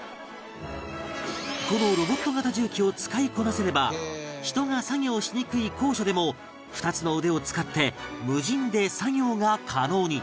このロボット型重機を使いこなせれば人が作業しにくい高所でも２つの腕を使って無人で作業が可能に